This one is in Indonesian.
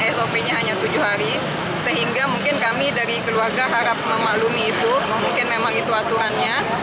sop nya hanya tujuh hari sehingga mungkin kami dari keluarga harap memaklumi itu mungkin memang itu aturannya